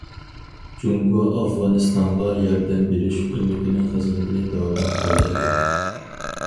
جۇڭگو ئافغانىستانغا ياردەم بېرىش ئۆمىكىنىڭ خىزمىتىنى داۋاملىق قوللايدۇ.